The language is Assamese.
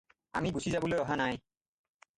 আমি গুচি যাবলৈ অহা নাই।